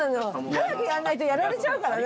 早くやんないとやられちゃうからね。